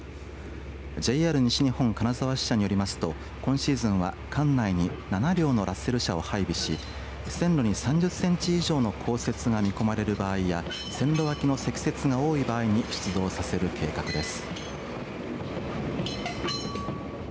ＪＲ西日本金沢支社によりますと今シーズンは管内に７両のラッセル車を配備し線路に３０センチ以上の降雪が見込まれる場合や線路脇の積雪が多い場合に出動させる計画です。